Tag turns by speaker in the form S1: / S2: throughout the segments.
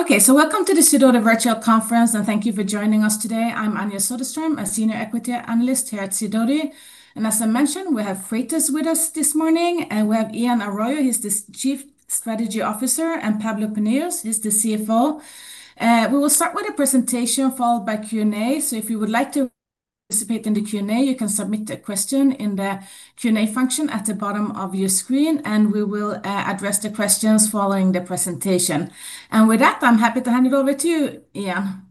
S1: Okay, so welcome to the Sidoti Virtual Conference, and thank you for joining us today. I'm Anja Soderstrom, a Senior Equity Analyst here at Sidoti. And as I mentioned, we have Freightos with us this morning, and we have Ian Arroyo, he's the Chief Strategy Officer, and Pablo Pinillos, he's the CFO. We will start with a presentation followed by Q&A. So if you would like to participate in the Q&A, you can submit a question in the Q&A function at the bottom of your screen, and we will address the questions following the presentation. And with that, I'm happy to hand it over to you, Ian.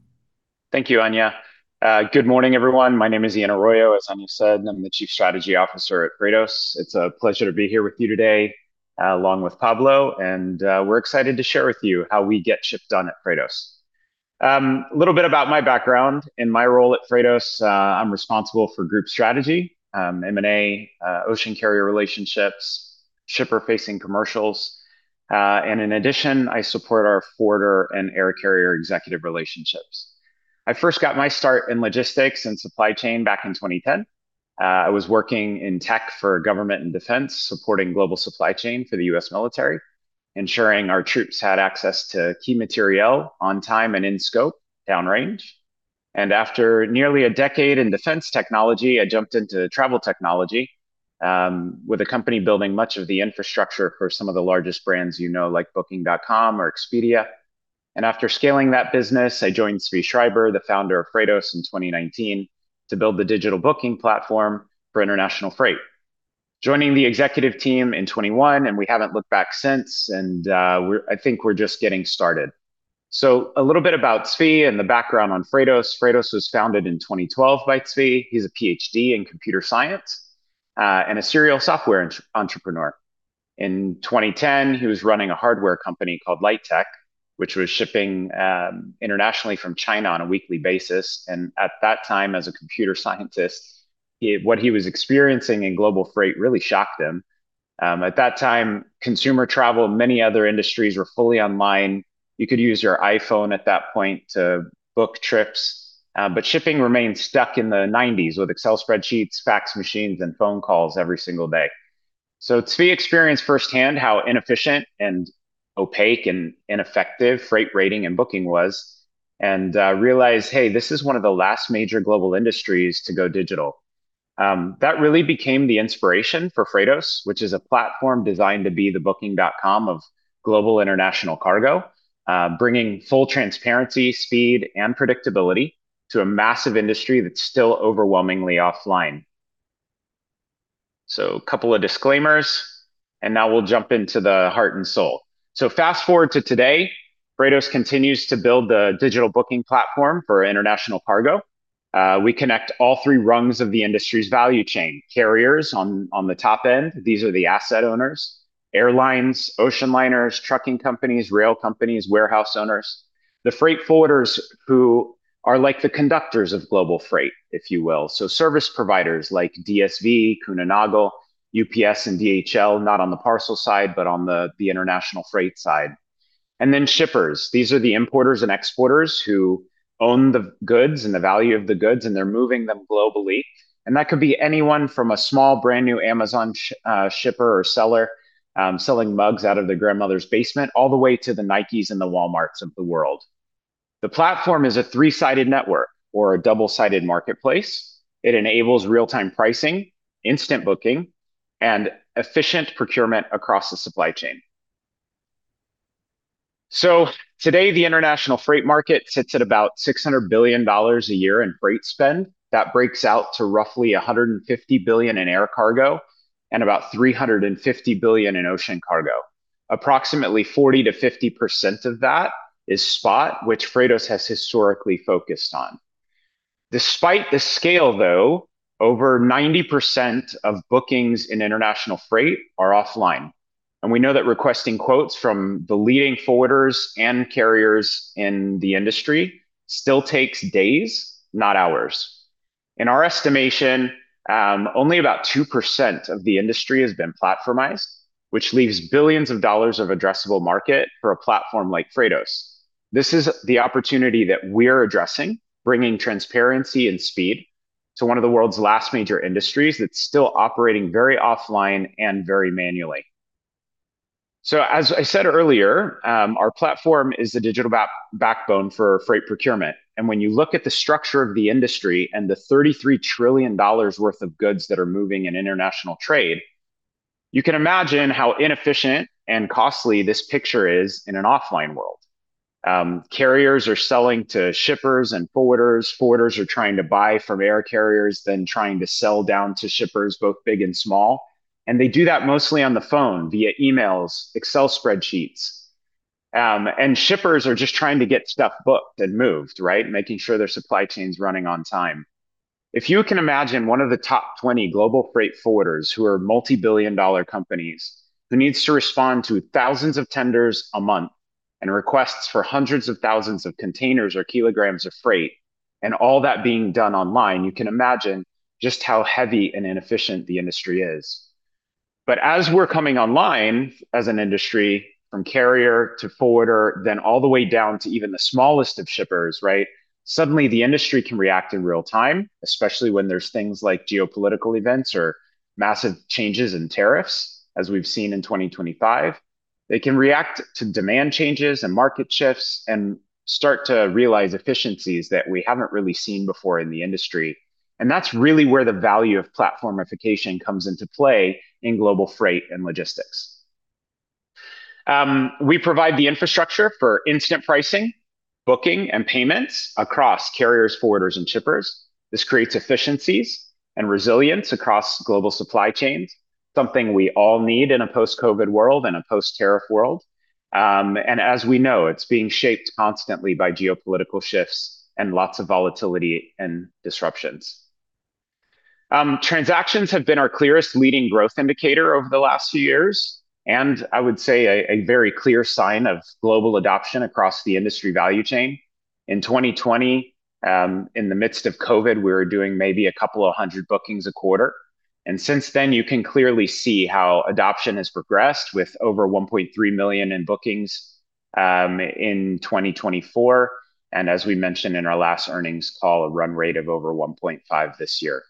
S2: Thank you, Anja. Good morning, everyone. My name is Ian Arroyo, as Anja said. I'm the Chief Strategy Officer at Freightos. It's a pleasure to be here with you today, along with Pablo, and we're excited to share with you how we get shippers on at Freightos. A little bit about my background: in my role at Freightos, I'm responsible for group strategy, M&A, ocean carrier relationships, shipper-facing commercials, and in addition, I support our forwarder and air carrier executive relationships. I first got my start in logistics and supply chain back in 2010. I was working in tech for government and defense, supporting global supply chain for the U.S. military, ensuring our troops had access to key material on time and in scope, down range. After nearly a decade in defense technology, I jumped into travel technology, with a company building much of the infrastructure for some of the largest brands you know, like Booking.com or Expedia. After scaling that business, I joined Zvi Schreiber, the founder of Freightos, in 2019 to build the digital booking platform for international freight. Joining the executive team in 2021, and we haven't looked back since, and I think we're just getting started. A little bit about Zvi and the background on Freightos: Freightos was founded in 2012 by Zvi. He's a PhD in computer science and a serial software entrepreneur. In 2010, he was running a hardware company called Lightech, which was shipping internationally from China on a weekly basis. At that time, as a computer scientist, what he was experiencing in global freight really shocked him. At that time, consumer travel and many other industries were fully online. You could use your iPhone at that point to book trips, but shipping remained stuck in the '90s with Excel spreadsheets, fax machines, and phone calls every single day, so Zvi experienced firsthand how inefficient and opaque and ineffective freight rating and booking was, and realized, hey, this is one of the last major global industries to go digital. That really became the inspiration for Freightos, which is a platform designed to be the Booking.com of global international cargo, bringing full transparency, speed, and predictability to a massive industry that's still overwhelmingly offline, so a couple of disclaimers, and now we'll jump into the heart and soul, so fast forward to today, Freightos continues to build the digital booking platform for international cargo. We connect all three rungs of the industry's value chain: carriers on the top end, these are the asset owners, airlines, ocean liners, trucking companies, rail companies, warehouse owners. The freight forwarders who are like the conductors of global freight, if you will, so service providers like DSV, Kuehne+Nagel, UPS, and DHL, not on the parcel side, but on the international freight side, and then shippers: these are the importers and exporters who own the goods and the value of the goods, and they're moving them globally, and that could be anyone from a small, brand new Amazon shipper or seller selling mugs out of their grandmother's basement, all the way to the Nikes and the Walmarts of the world. The platform is a three-sided network or a double-sided marketplace. It enables real-time pricing, instant booking, and efficient procurement across the supply chain. So today, the international freight market sits at about $600 billion a year in freight spend. That breaks out to roughly $150 billion in air cargo and about $350 billion in ocean cargo. Approximately 40%-50% of that is spot, which Freightos has historically focused on. Despite the scale, though, over 90% of bookings in international freight are offline. And we know that requesting quotes from the leading forwarders and carriers in the industry still takes days, not hours. In our estimation, only about 2% of the industry has been platformized, which leaves billions of dollars of addressable market for a platform like Freightos. This is the opportunity that we're addressing, bringing transparency and speed to one of the world's last major industries that's still operating very offline and very manually. So as I said earlier, our platform is the digital backbone for freight procurement. And when you look at the structure of the industry and the $33 trillion worth of goods that are moving in international trade, you can imagine how inefficient and costly this picture is in an offline world. Carriers are selling to shippers and forwarders. Forwarders are trying to buy from air carriers, then trying to sell down to shippers, both big and small. And they do that mostly on the phone, via emails, Excel spreadsheets. And shippers are just trying to get stuff booked and moved, right, making sure their supply chain's running on time. If you can imagine one of the top 20 global freight forwarders who are multi-billion dollar companies who needs to respond to thousands of tenders a month and requests for hundreds of thousands of containers or kilograms of freight, and all that being done online, you can imagine just how heavy and inefficient the industry is. But as we're coming online as an industry, from carrier to forwarder, then all the way down to even the smallest of shippers, right, suddenly the industry can react in real time, especially when there's things like geopolitical events or massive changes in tariffs, as we've seen in 2025. They can react to demand changes and market shifts and start to realize efficiencies that we haven't really seen before in the industry. And that's really where the value of platformification comes into play in global freight and logistics. We provide the infrastructure for instant pricing, booking, and payments across carriers, forwarders, and shippers. This creates efficiencies and resilience across global supply chains, something we all need in a post-COVID world and a post-tariff world, and as we know, it's being shaped constantly by geopolitical shifts and lots of volatility and disruptions. Transactions have been our clearest leading growth indicator over the last few years, and I would say a very clear sign of global adoption across the industry value chain. In 2020, in the midst of COVID, we were doing maybe a couple of hundred bookings a quarter, and since then, you can clearly see how adoption has progressed with over 1.3 million in bookings in 2024, and as we mentioned in our last earnings call, a run rate of over 1.5 this year.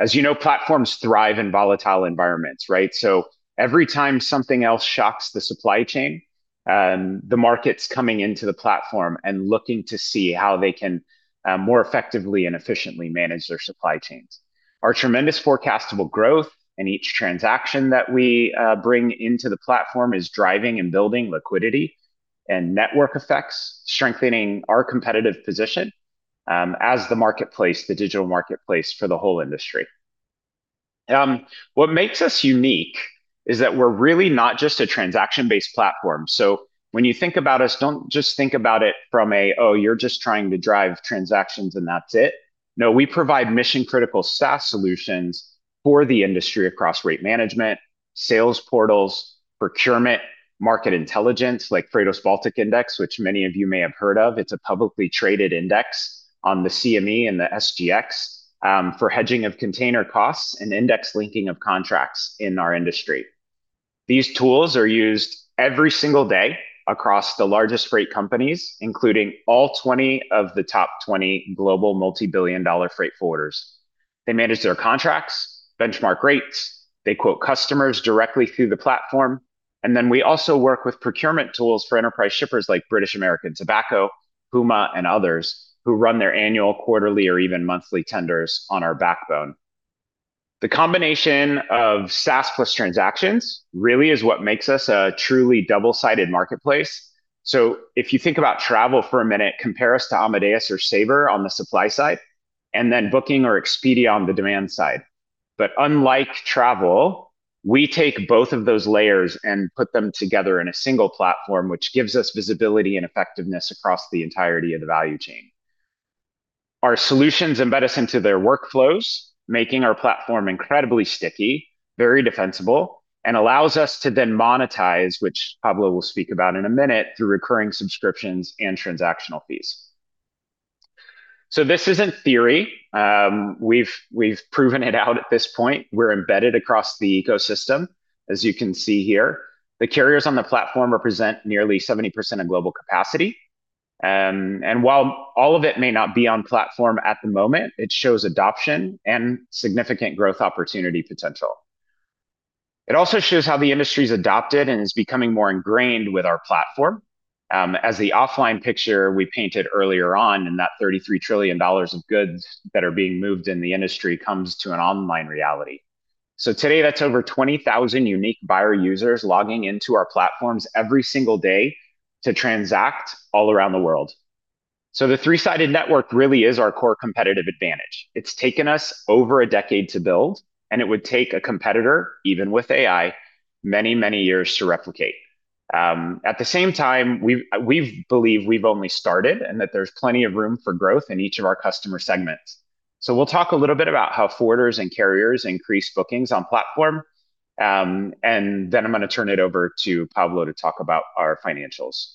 S2: As you know, platforms thrive in volatile environments, right? So every time something else shocks the supply chain, the market's coming into the platform and looking to see how they can more effectively and efficiently manage their supply chains. Our tremendous forecastable growth and each transaction that we bring into the platform is driving and building liquidity and network effects, strengthening our competitive position as the marketplace, the digital marketplace for the whole industry. What makes us unique is that we're really not just a transaction-based platform. So when you think about us, don't just think about it from a, "Oh, you're just trying to drive transactions and that's it." No, we provide mission critical SaaS solutions for the industry across rate management, sales portals, procurement, market intelligence like Freightos Baltic Index, which many of you may have heard of. It's a publicly traded index on the CME and the SGX for hedging of container costs and index linking of contracts in our industry. These tools are used every single day across the largest freight companies, including all 20 of the top 20 global multi-billion dollar freight forwarders. They manage their contracts, benchmark rates, they quote customers directly through the platform, and then we also work with procurement tools for enterprise shippers like British American Tobacco, Puma, and others who run their annual, quarterly, or even monthly tenders on our backbone. The combination of SaaS plus transactions really is what makes us a truly double-sided marketplace so if you think about travel for a minute, compare us to Amadeus or Sabre on the supply side, and then Booking or Expedia on the demand side. But unlike travel, we take both of those layers and put them together in a single platform, which gives us visibility and effectiveness across the entirety of the value chain. Our solutions embed us into their workflows, making our platform incredibly sticky, very defensible, and allows us to then monetize, which Pablo will speak about in a minute, through recurring subscriptions and transactional fees. So this isn't theory. We've proven it out at this point. We're embedded across the ecosystem, as you can see here. The carriers on the platform represent nearly 70% of global capacity. And while all of it may not be on platform at the moment, it shows adoption and significant growth opportunity potential. It also shows how the industry's adopted and is becoming more ingrained with our platform, as the offline picture we painted earlier on in that $33 trillion of goods that are being moved in the industry comes to an online reality. Today, that's over 20,000 unique buyer users logging into our platforms every single day to transact all around the world. The three-sided network really is our core competitive advantage. It's taken us over a decade to build, and it would take a competitor, even with AI, many, many years to replicate. At the same time, we believe we've only started and that there's plenty of room for growth in each of our customer segments. We'll talk a little bit about how forwarders and carriers increase bookings on platform, and then I'm going to turn it over to Pablo to talk about our financials.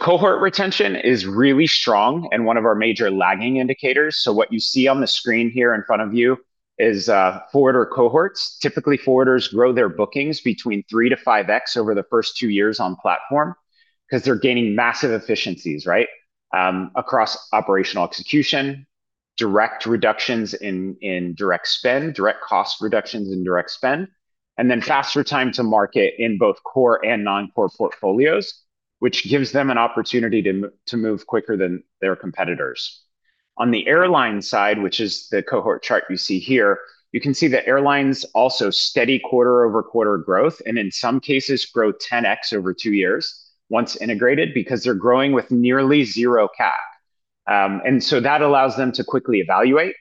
S2: Cohort retention is really strong and one of our major lagging indicators. What you see on the screen here in front of you is forwarder cohorts. Typically, forwarders grow their bookings between 3x to 5x over the first two years on platform because they're gaining massive efficiencies, right, across operational execution, direct reductions in direct spend, direct cost reductions in direct spend, and then faster time to market in both core and non-core portfolios, which gives them an opportunity to move quicker than their competitors. On the airline side, which is the cohort chart you see here, you can see that airlines also steady quarter-over-quarter growth and in some cases grow 10X over two years once integrated because they're growing with nearly zero CapEx. And so that allows them to quickly evaluate,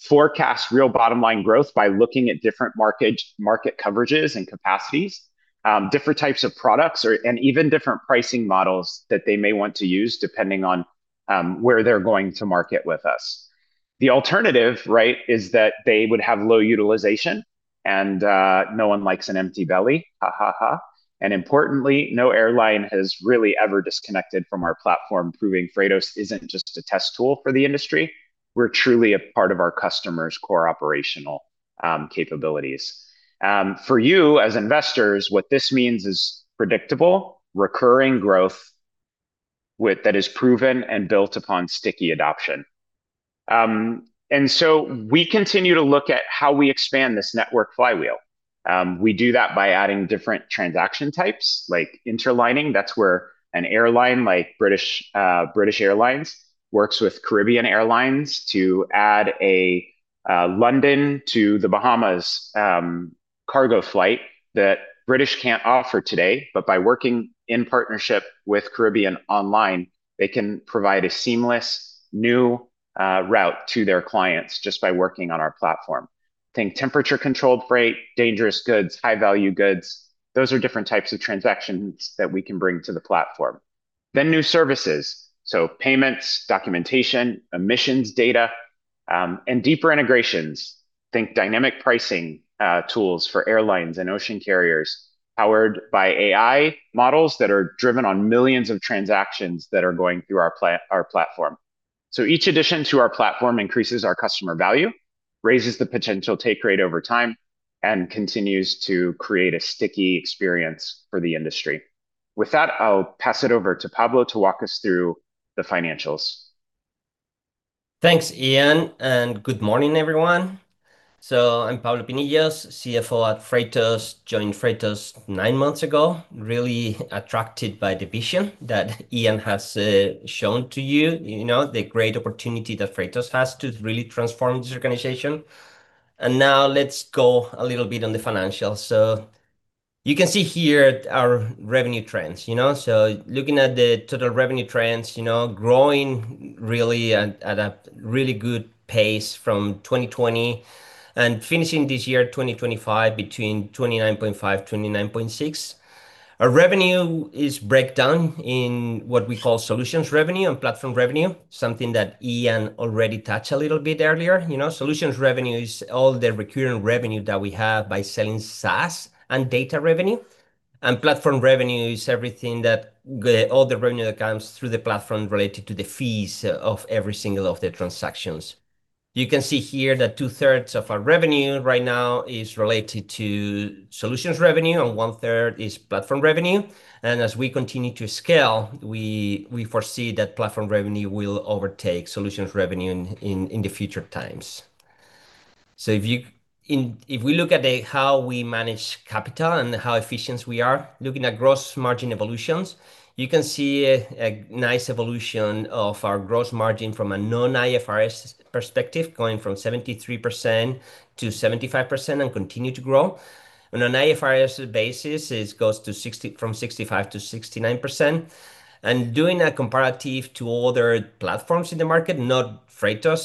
S2: forecast real bottom-line growth by looking at different market coverages and capacities, different types of products, and even different pricing models that they may want to use depending on where they're going to market with us. The alternative, right, is that they would have low utilization, and no one likes an empty belly, ha ha ha. And importantly, no airline has really ever disconnected from our platform, proving Freightos isn't just a test tool for the industry. We're truly a part of our customers' core operational capabilities. For you as investors, what this means is predictable, recurring growth that is proven and built upon sticky adoption. And so we continue to look at how we expand this network flywheel. We do that by adding different transaction types like interlining. That's where an airline like British Airways works with Caribbean Airlines to add a London to the Bahamas cargo flight that British can't offer today, but by working in partnership with Caribbean Airlines, they can provide a seamless new route to their clients just by working on our platform. Think temperature-controlled freight, dangerous goods, high-value goods. Those are different types of transactions that we can bring to the platform, then new services, so payments, documentation, emissions data, and deeper integrations. Think dynamic pricing tools for airlines and ocean carriers powered by AI models that are driven on millions of transactions that are going through our platform, so each addition to our platform increases our customer value, raises the potential take rate over time, and continues to create a sticky experience for the industry. With that, I'll pass it over to Pablo to walk us through the financials. Thanks, Ian.
S3: And good morning, everyone. So I'm Pablo Pinillos, CFO at Freightos, joined Freightos nine months ago, really attracted by the vision that Ian has shown to you, the great opportunity that Freightos has to really transform this organization. And now let's go a little bit on the financials. So you can see here our revenue trends. So looking at the total revenue trends, growing really at a really good pace from 2020 and finishing this year, 2025, between 29.5-29.6. Our revenue is broken down into what we call solutions revenue and platform revenue, something that Ian already touched a little bit earlier. Solutions revenue is all the recurring revenue that we have by selling SaaS and data revenue. And platform revenue is everything that all the revenue that comes through the platform related to the fees of every single of the transactions. You can see here that two-thirds of our revenue right now is related to solutions revenue, and one-third is platform revenue. And as we continue to scale, we foresee that platform revenue will overtake solutions revenue in the future times. So if we look at how we manage capital and how efficient we are looking at gross margin evolutions, you can see a nice evolution of our gross margin from a non-IFRS perspective, going from 73%-75% and continue to grow. On an IFRS basis, it goes from 65%-69%. And doing a comparative to other platforms in the market, not Freightos,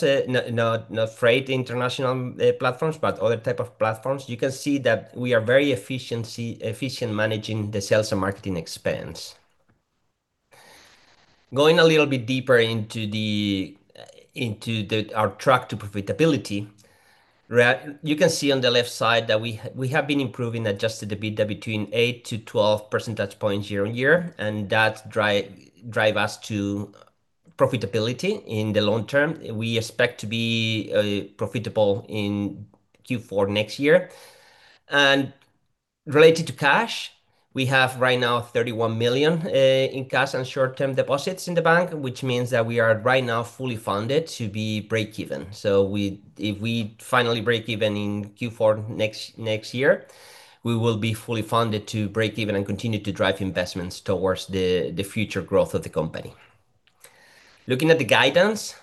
S3: not freight international platforms, but other types of platforms, you can see that we are very efficient managing the sales and marketing expense. Going a little bit deeper into our track to profitability, you can see on the left side that we have been improving, Adjusted EBITDA between 8%-12% percentage points year on year, and that drives us to profitability in the long term. We expect to be profitable in Q4 next year, and related to cash, we have right now $31 million in cash and short-term deposits in the bank, which means that we are right now fully funded to be break-even, so if we finally break-even in Q4 next year, we will be fully funded to break-even and continue to drive investments towards the future growth of the company. Looking at the guidance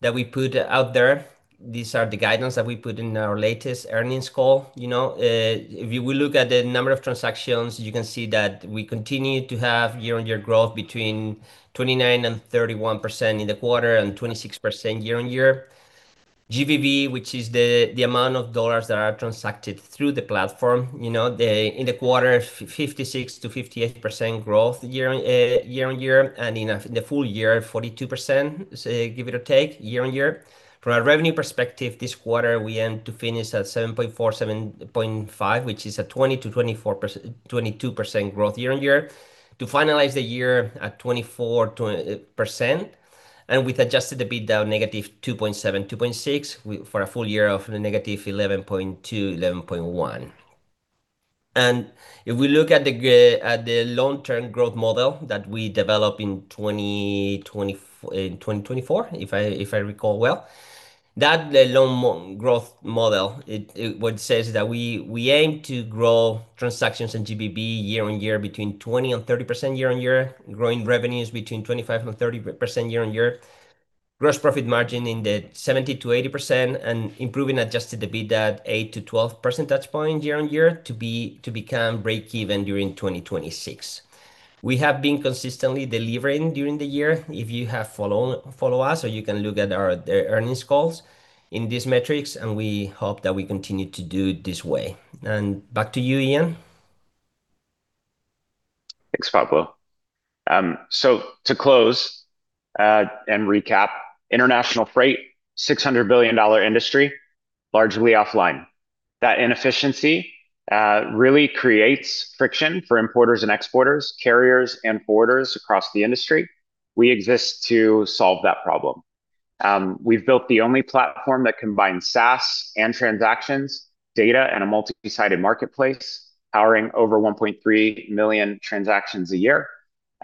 S3: that we put out there, these are the guidance that we put in our latest earnings call. If you will look at the number of transactions, you can see that we continue to have year-on-year growth between 29% and 31% in the quarter and 26% year-on-year. GBV, which is the amount of dollars that are transacted through the platform, in the quarter, 56%-58% growth year-on-year, and in the full year, 42%, give or take, year-on-year. From a revenue perspective, this quarter, we aim to finish at $7.4-$7.5, which is a 20%-22% growth year-on-year to finalize the year at 24%. And we've adjusted EBITDA, -$2.7 to -$2.6 for a full year of -$11.2 to -$11.1. If we look at the long-term growth model that we developed in 2024, if I recall well, that long growth model, what it says is that we aim to grow transactions and GBV year-on-year between 20% and 30% year-on-year, growing revenues between 25% and 30% year-on-year, gross profit margin in the 70%-80%, and improving Adjusted EBITDA 8%-12% year-on-year to become break-even during 2026. We have been consistently delivering during the year. If you have followed us, or you can look at our earnings calls in these metrics, and we hope that we continue to do it this way. And back to you, Ian.
S2: Thanks, Pablo. So to close and recap, international freight, $600 billion industry, largely offline. That inefficiency really creates friction for importers and exporters, carriers and forwarders across the industry. We exist to solve that problem. We've built the only platform that combines SaaS and transactions, data, and a multi-sided marketplace, powering over 1.3 million transactions a year.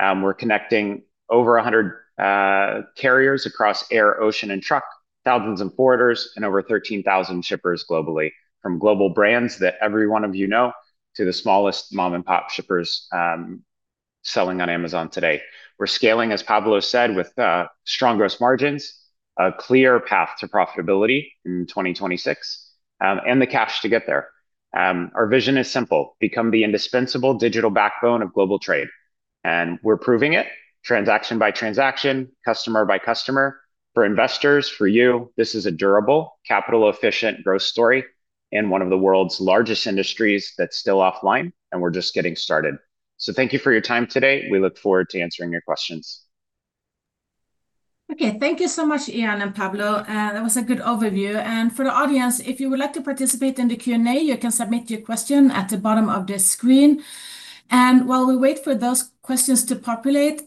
S2: We're connecting over 100 carriers across air, ocean, and truck, thousands of forwarders, and over 13,000 shippers globally, from global brands that every one of you know to the smallest mom-and-pop shippers selling on Amazon today. We're scaling, as Pablo said, with strong gross margins, a clear path to profitability in 2026, and the cash to get there. Our vision is simple: become the indispensable digital backbone of global trade. And we're proving it, transaction by transaction, customer by customer. For investors, for you, this is a durable, capital-efficient growth story in one of the world's largest industries that's still offline, and we're just getting started. So thank you for your time today. We look forward to answering your questions.
S1: Okay, thank you so much, Ian and Pablo. That was a good overview. And for the audience, if you would like to participate in the Q&A, you can submit your question at the bottom of the screen. And while we wait for those questions to populate,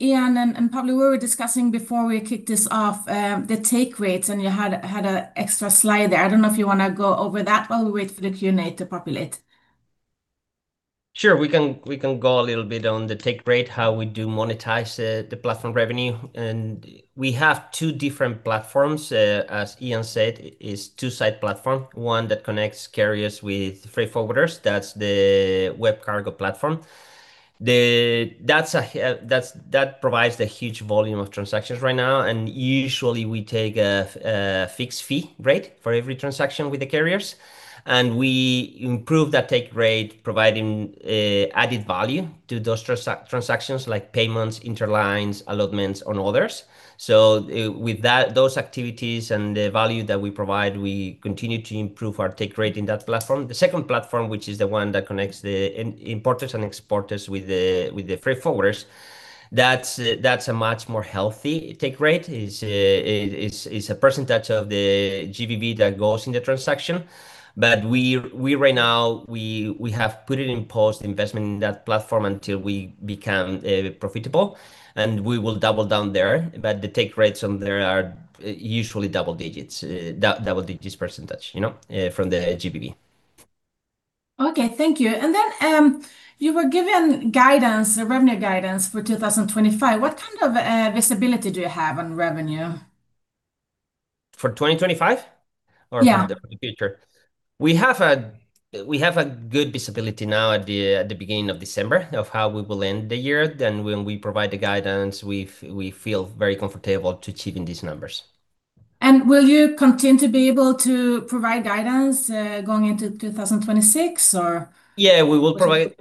S1: Ian and Pablo, we were discussing before we kicked this off, the take rates, and you had an extra slide there. I don't know if you want to go over that while we wait for the Q&A to populate.
S3: Sure, we can go a little bit on the take rate, how we do monetize the platform revenue. And we have two different platforms. As Ian said, it is a two-sided platform, one that connects carriers with freight forwarders. That's the WebCargo platform. That provides a huge volume of transactions right now. And usually, we take a fixed fee rate for every transaction with the carriers. And we improve that take rate, providing added value to those transactions like payments, interlines, allotments, and others. So with those activities and the value that we provide, we continue to improve our take rate in that platform. The second platform, which is the one that connects the importers and exporters with the freight forwarders, that's a much more healthy take rate. It's a percentage of the GBV that goes in the transaction. But right now, we have put in post-investment in that platform until we become profitable. And we will double down there. But the take rates on there are usually double digits, double digits percent from the GBV.
S1: Okay, thank you. And then you were given guidance, revenue guidance for 2025. What kind of visibility do you have on revenue? For 2025 or for the future?
S3: We have a good visibility now at the beginning of December of how we will end the year. Then when we provide the guidance, we feel very comfortable to achieving these numbers.
S1: And will you continue to be able to provide guidance going into 2026, or?
S3: Yeah, we will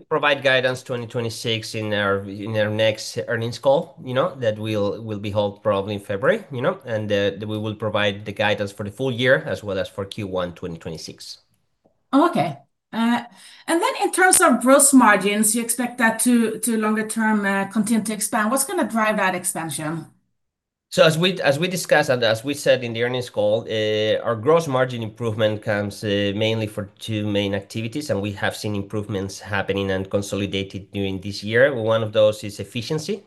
S3: provide guidance 2026 in our next earnings call that will be held probably in February. And we will provide the guidance for the full year as well as for Q1 2026.
S1: Okay. And then in terms of gross margins, you expect that to, longer term, continue to expand. What's going to drive that expansion?
S3: So as we discussed and as we said in the earnings call, our gross margin improvement comes mainly for two main activities, and we have seen improvements happening and consolidated during this year. One of those is efficiency,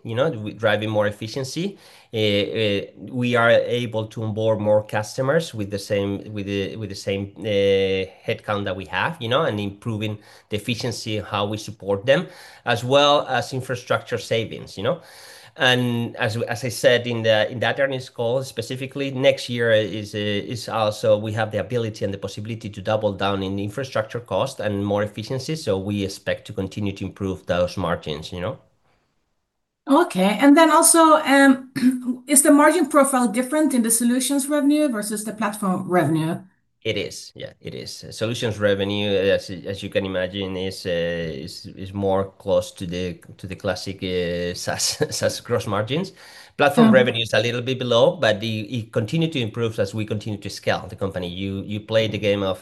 S3: driving more efficiency. We are able to onboard more customers with the same headcount that we have and improving the efficiency and how we support them, as well as infrastructure savings. And as I said in that earnings call, specifically, next year is also we have the ability and the possibility to double down in infrastructure cost and more efficiency. So we expect to continue to improve those margins.
S1: Okay. And then also, is the margin profile different in the solutions revenue versus the platform revenue?
S3: It is. Yeah, it is. Solutions revenue, as you can imagine, is more close to the classic SaaS gross margins. Platform revenue is a little bit below, but it continues to improve as we continue to scale the company. You play the game of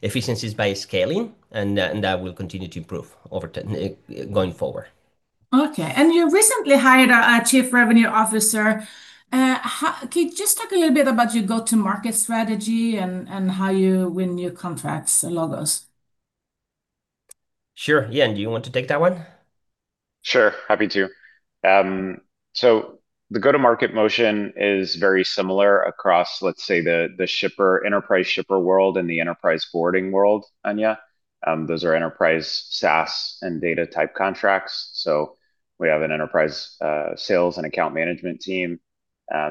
S3: efficiencies by scaling, and that will continue to improve going forward.
S1: Okay. And you recently hired a Chief Revenue Officer. Can you just talk a little bit about your go-to-market strategy and how you win new contracts and logos?
S3: Sure. Ian, do you want to take that one?
S2: Sure. Happy to. So the go-to-market motion is very similar across, let's say, the shipper, enterprise shipper world and the enterprise forwarding world, Anja. Those are enterprise SaaS and data-type contracts. So we have an enterprise sales and account management team.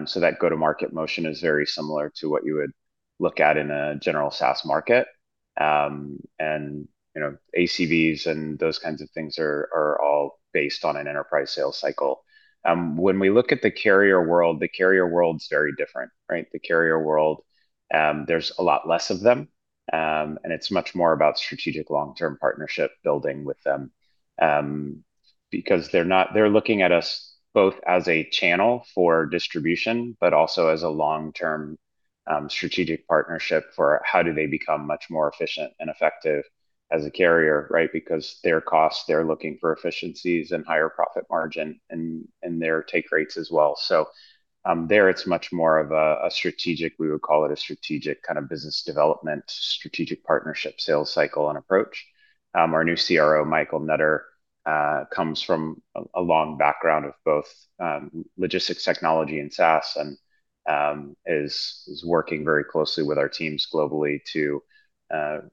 S2: So that go-to-market motion is very similar to what you would look at in a general SaaS market. And ACVs and those kinds of things are all based on an enterprise sales cycle. When we look at the carrier world, the carrier world is very different, right? The carrier world, there's a lot less of them. And it's much more about strategic long-term partnership building with them because they're looking at us both as a channel for distribution, but also as a long-term strategic partnership for how do they become much more efficient and effective as a carrier, right? Because their costs, they're looking for efficiencies and higher profit margin in their take rates as well. So there, it's much more of a strategic, we would call it a strategic kind of business development, strategic partnership, sales cycle, and approach. Our new CRO, Michael Nutter, comes from a long background of both logistics, technology, and SaaS and is working very closely with our teams globally to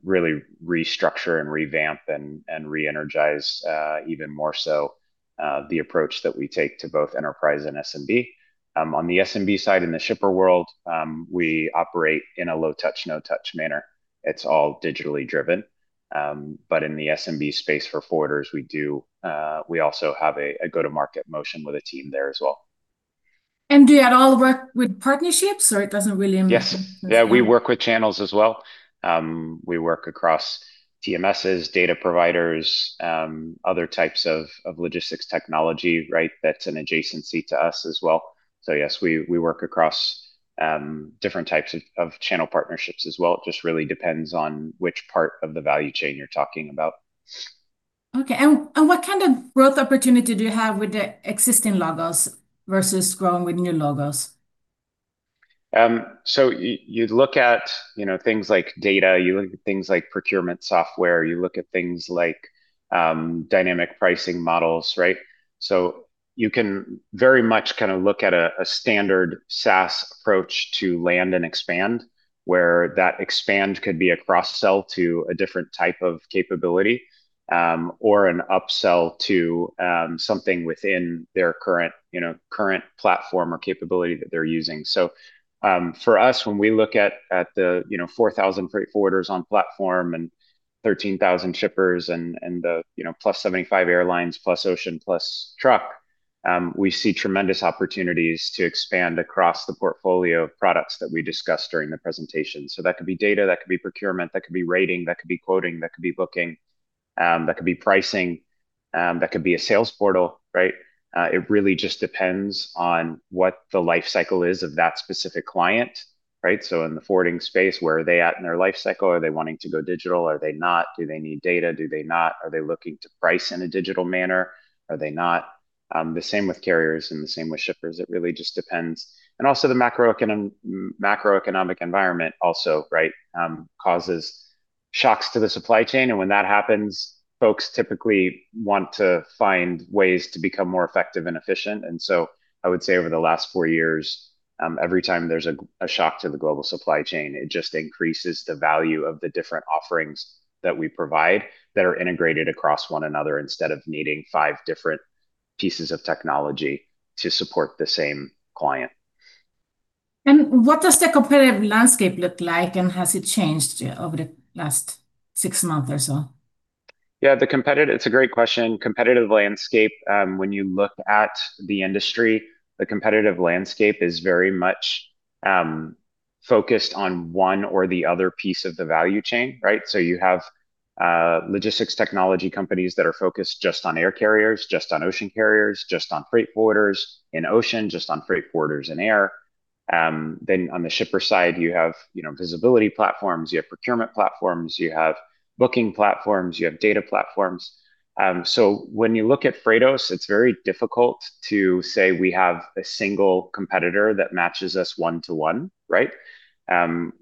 S2: really restructure and revamp and re-energize even more so the approach that we take to both enterprise and SMB. On the SMB side in the shipper world, we operate in a low-touch, no-touch manner. It's all digitally driven. But in the SMB space for forwarders, we also have a go-to-market motion with a team there as well.
S1: And do you at all work with partnerships, or it doesn't really?
S2: Yes. Yeah, we work with channels as well. We work across TMSs, data providers, other types of logistics technology, right? That's an adjacency to us as well. So yes, we work across different types of channel partnerships as well. It just really depends on which part of the value chain you're talking about.
S1: Okay. And what kind of growth opportunity do you have with the existing logos versus growing with new logos?
S2: So you look at things like data, you look at things like procurement software, you look at things like dynamic pricing models, right? You can very much kind of look at a standard SaaS approach to land and expand, where that expand could be a cross-sell to a different type of capability or an upsell to something within their current platform or capability that they're using. For us, when we look at the 4,000 freight forwarders on platform and 13,000 shippers and the plus 75 airlines, plus ocean, plus truck, we see tremendous opportunities to expand across the portfolio of products that we discussed during the presentation. That could be data, that could be procurement, that could be rating, that could be quoting, that could be booking, that could be pricing, that could be a sales portal, right? It really just depends on what the life cycle is of that specific client, right? In the forwarding space, where are they at in their life cycle? Are they wanting to go digital? Are they not? Do they need data? Do they not? Are they looking to price in a digital manner? Are they not? The same with carriers and the same with shippers. It really just depends, and also the macroeconomic environment also, right, causes shocks to the supply chain, and when that happens, folks typically want to find ways to become more effective and efficient, and so I would say over the last four years, every time there's a shock to the global supply chain, it just increases the value of the different offerings that we provide that are integrated across one another instead of needing five different pieces of technology to support the same client, and
S1: what does the competitive landscape look like, and has it changed over the last six months or so?
S2: Yeah, it's a great question. Competitive landscape, when you look at the industry, the competitive landscape is very much focused on one or the other piece of the value chain, right? So you have logistics technology companies that are focused just on air carriers, just on ocean carriers, just on freight forwarders in ocean, just on freight forwarders in air. Then on the shipper side, you have visibility platforms, you have procurement platforms, you have booking platforms, you have data platforms. So when you look at Freightos, it's very difficult to say we have a single competitor that matches us one-to-one, right?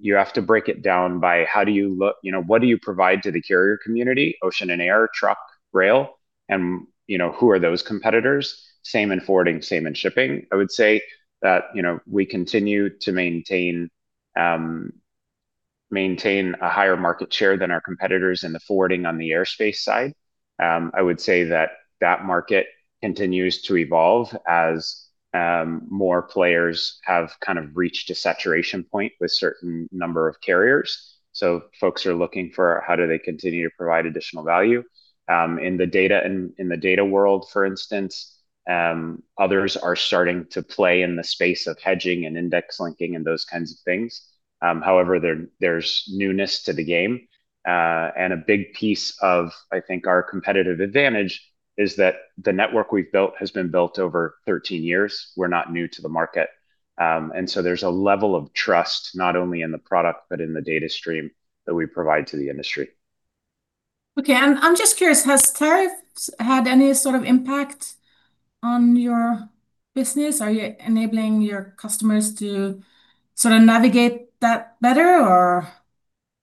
S2: You have to break it down by how do you look? What do you provide to the carrier community, ocean and air, truck, rail? And who are those competitors? Same in forwarding, same in shipping. I would say that we continue to maintain a higher market share than our competitors in the forwarding on the airspace side. I would say that that market continues to evolve as more players have kind of reached a saturation point with a certain number of carriers. So Folks are looking for how do they continue to provide additional value. In the data world, for instance, others are starting to play in the space of hedging and index linking and those kinds of things. However, there's newness to the game, and a big piece of, I think, our competitive advantage is that the network we've built has been built over 13 years. We're not new to the market, and so there's a level of trust not only in the product, but in the data stream that we provide to the industry.
S1: Okay. I'm just curious, has tariffs had any sort of impact on your business? Are you enabling your customers to sort of navigate that better, or?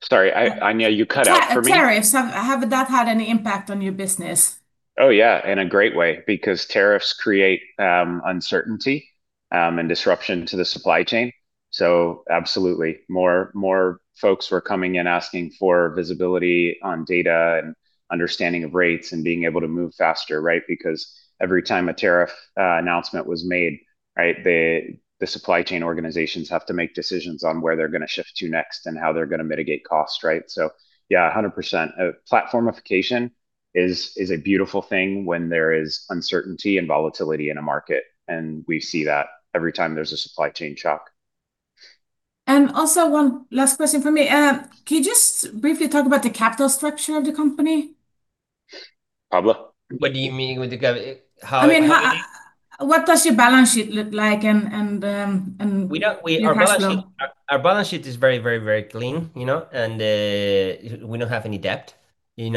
S2: Sorry, Anja, you cut out for me.
S1: Tariffs, have that had any impact on your business?
S2: Oh, yeah, in a great way because tariffs create uncertainty and disruption to the supply chain. So absolutely. More folks were coming in asking for visibility on data and understanding of rates and being able to move faster, right? Because every time a tariff announcement was made, right, the supply chain organizations have to make decisions on where they're going to shift to next and how they're going to mitigate costs, right? So yeah, 100%. Platformification is a beautiful thing when there is uncertainty and volatility in a market. And we see that every time there's a supply chain shock.
S1: And also one last question for me. Can you just briefly talk about the capital structure of the company?
S2: Pablo?
S3: What do you mean with the capital?
S1: I mean, what does your balance sheet look like and?
S3: Our balance sheet is very, very, very clean. And we don't have any debt. And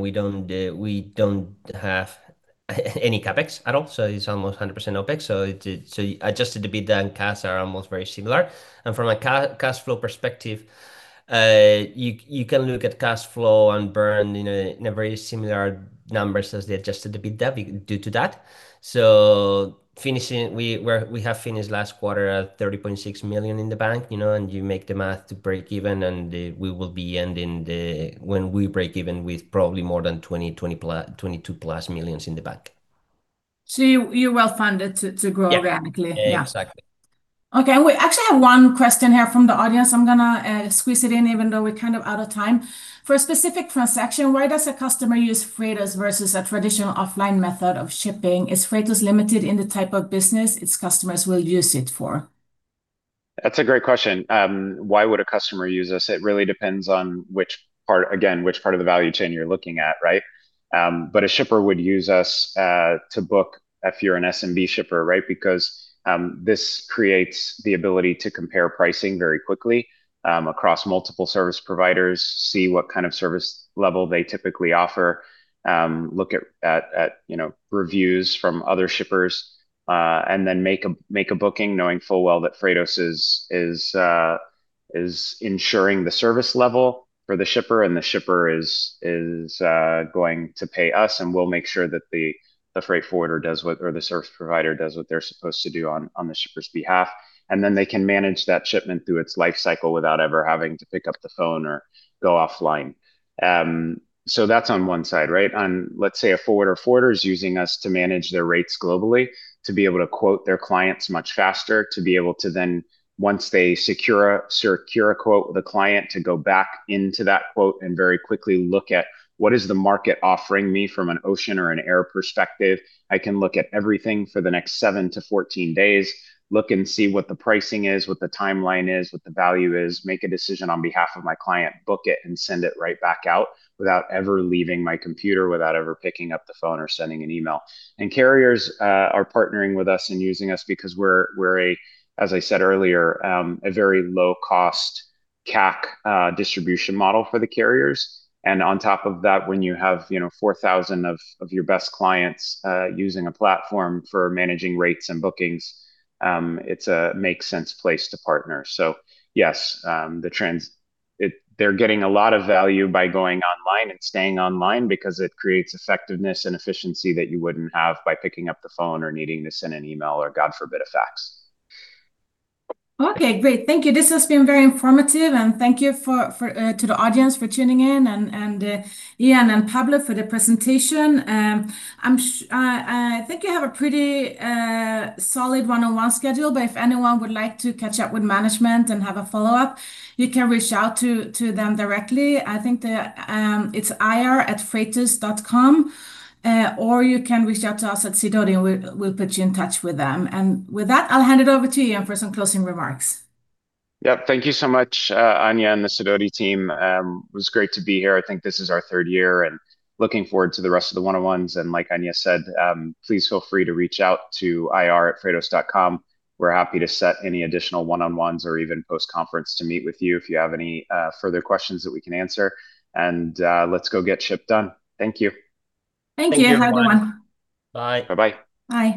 S3: we don't have any CapEx at all. So it's almost 100% OpEx. So adjusted EBITDA and CAC are almost very similar. And from a cash flow perspective, you can look at cash flow and burn in a very similar numbers as the adjusted EBITDA due to that. So we have finished last quarter at $30.6 million in the bank. And you make the math to break even, and we will be ending when we break even with probably more than $20-$22-plus million in the bank. So you're well-funded to grow organically. Yeah, exactly.
S1: Okay. We actually have one question here from the audience. I'm going to squeeze it in even though we're kind of out of time. For a specific transaction, why does a customer use Freightos versus a traditional offline method of shipping? Is Freightos limited in the type of business its customers will use it for?
S2: That's a great question. Why would a customer use us? It really depends on which part, again, which part of the value chain you're looking at, right? But a shipper would use us to book if you're an SMB shipper, right? Because this creates the ability to compare pricing very quickly across multiple service providers, see what kind of service level they typically offer, look at reviews from other shippers, and then make a booking knowing full well that Freightos is ensuring the service level for the shipper and the shipper is going to pay us. And we'll make sure that the freight forwarder does what or the service provider does what they're supposed to do on the shipper's behalf. And then they can manage that shipment through its life cycle without ever having to pick up the phone or go offline. So that's on one side, right? And let's say a forwarder is using us to manage thei I can look at everything for the next seven to 14 days, look and see what the pricing is, what the timeline is, what the value is, make a decision on behalf of my client, book it, and send it right back out without ever leaving my computer, without ever picking up the phone or sending an email. And carriers are partnering with us and using us because we're, as I said earlier, a very low-cost CAC distribution model for the carriers. And on top of that, when you have 4,000 of your best clients using a platform for managing rates and bookings, it's a makes sense place to partner. So yes, they're getting a lot of value by going online and staying online because it creates effectiveness and efficiency that you wouldn't have by picking up the phone or needing to send an email or, you can send a fax.
S1: Okay, great. Thank you. This has been very informative, and thank you to the audience for tuning in and Ian and Pablo for the presentation. I think you have a pretty solid one-on-one schedule, but if anyone would like to catch up with management and have a follow-up, you can reach out to them directly. I think it's iar@freightos.com, or you can reach out to us at Sidoti, and we'll put you in touch with them, and with that, I'll hand it over to Ian for some closing remarks.
S2: Yep. Thank you so much, Anja and the Sidoti team. It was great to be here. I think this is our third year, and looking forward to the rest of the one-on-ones, and like Anja said, please feel free to reach out to iar@freightos.com. We're happy to set any additional one-on-ones or even post-conference to meet with you if you have any further questions that we can answer. And let's go get shipped done. Thank you.
S1: Thank you. Have a good one. Bye. Bye-bye. Bye.